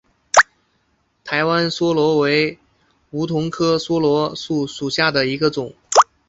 台湾梭罗为梧桐科梭罗树属下的一个种。